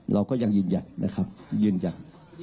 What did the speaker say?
เราก็ยังยืนยันนะครับยืนยัน